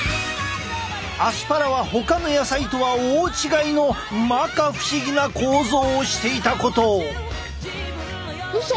アスパラはほかの野菜とは大違いの摩訶不思議な構造をしていたことを。